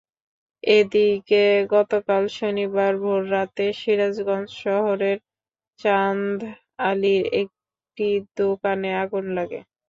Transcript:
এদিকে গতকাল শনিবার ভোররাতে সিরাজগঞ্জ শহরের চান্দ আলীর একটি দোকানে আগুন লাগে।